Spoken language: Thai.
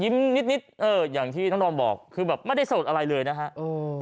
ยิ้นนิดอย่างที่น้องโด้มบอกไม่ใช่สะดดอะไรเลยนะครับ